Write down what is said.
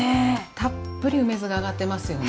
たっぷり梅酢が上がってますよね。